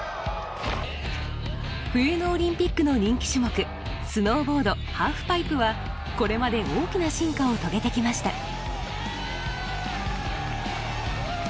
冬のオリンピックの人気種目スノーボードハーフパイプはこれまで大きな進化を遂げてきました。